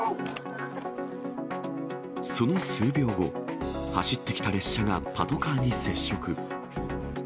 その数秒後、走ってきた列車がパトカーに接触。